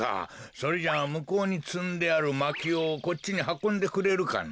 それじゃあむこうにつんであるまきをこっちにはこんでくれるかな？